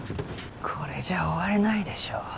これじゃ終われないでしょ。